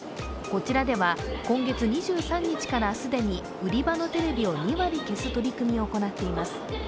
こちらでは今月２３日から既に売り場のテレビを２割消す取り組みを行っています。